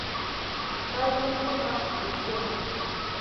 Kay yam guna vi sunù.